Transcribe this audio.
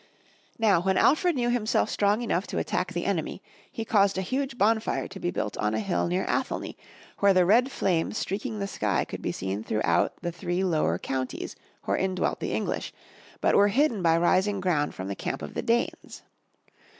Now when Alfred knew himself strong enough to attack the enemy, he caused a huge bonfire to be built on a hill near Athel ney, where the red flames streaking the sky could be seen through out the three lower counties, wherein dwelt the English, but were hidden by rising ground from the camp of the Danes.